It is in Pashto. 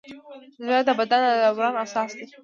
زړه د بدن د دوران اساس دی.